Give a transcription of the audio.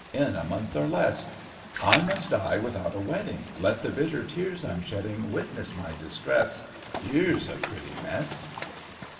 In a month, or less, I must die without a wedding! Let the bitter tears I'm shedding Witness my distress, Here's a pretty mess!